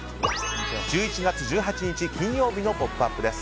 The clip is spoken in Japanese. １１月１８日、金曜日の「ポップＵＰ！」です。